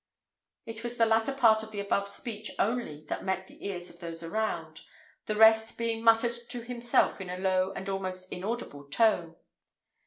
It was the latter part of the above speech only that met the ears of those around, the rest being muttered to himself in a low and almost inaudible tone.